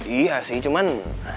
iya sih cuman